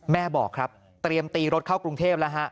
แม่บอกครับเตรียมตีรถเข้ากรุงเทพแล้วฮะ